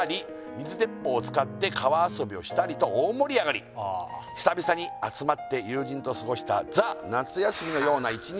「水鉄砲を使って川遊びをしたりと大盛り上がり」「久々に集まって友人と過ごしたＴＨＥ夏休みのような１日は」